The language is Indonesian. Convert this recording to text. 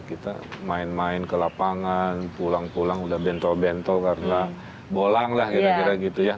kita main main ke lapangan pulang pulang udah bentol bento karena bolang lah kira kira gitu ya